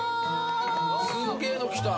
すげえの来た！